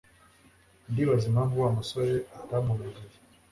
Ndibaza impamvu Wa musore atampamagaye